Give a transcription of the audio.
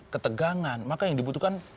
ketegangan maka yang dibutuhkan